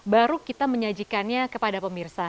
baru kita menyajikannya kepada pemirsa